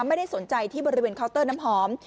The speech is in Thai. ไม่ได้สนใจที่บริเวณเคาน์เตอร์น้ำหอม